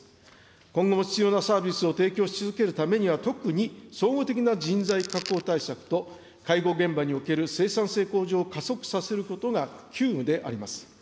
今後も必要なサービスを提供し続けるためには、特に総合的な人材確保対策と、介護現場における生産性向上を加速させることが急務であります。